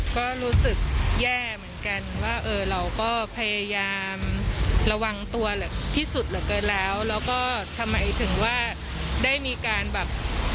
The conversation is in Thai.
ก็รู้สึกแย่เหมือนกันว่าเออเราก็พยายามระวังตัวที่สุดเหลือเกินแล้วแล้วก็ทำไมถึงว่าได้มีการแบบ